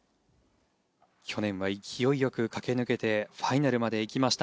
去年は勢いよく駆け抜けてファイナルまで行きました。